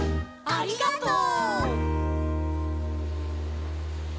ありがとう。